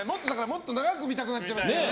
もっと長く見たくなっちゃいます。